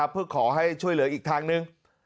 เพื่อขอให้ช่วยเหลืออีกทางหนึ่ง